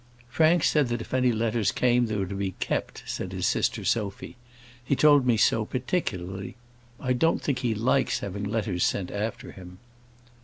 "Frank said that if any letters came they were to be kept," said his sister Sophy. "He told me so particularly. I don't think he likes having letters sent after him."